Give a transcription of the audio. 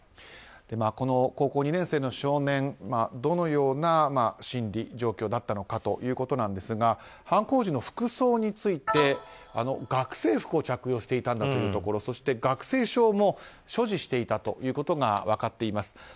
この高校２年生の少年どのような心理状況だったのかということですが犯行時の服装について、学生服を着用していたというところそして学生証も所持していたということが分かっています。